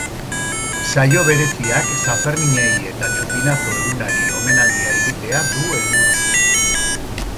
Saio bereziak sanferminei eta txupinazo egunari omenaldia egitea du helburu.